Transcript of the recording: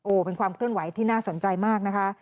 เป็นความเคลื่อนไหวที่น่าสนใจมากนะคะ